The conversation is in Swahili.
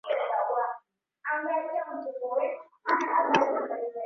dola elfu kumi na mbili na mia tano za Kimarekani Ilifahamika kuwa Chameleone kanunua